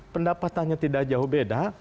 pendapatannya tidak jauh beda